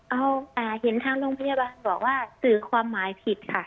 เอาเห็นทางโรงพยาบาลบอกว่าสื่อความหมายผิดค่ะ